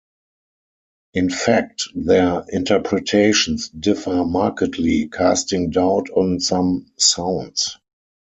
In fact their interpretations differ markedly, casting doubt on some sounds.